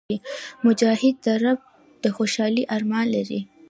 مجاهد د رب د خوشحالۍ ارمان لري.